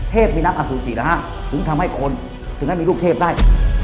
มีน้ำอสุจินะฮะถึงทำให้คนถึงให้มีลูกเทพได้